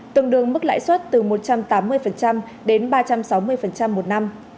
tương đương mức lãi suất từ một trăm tám mươi đến ba trăm sáu mươi một năm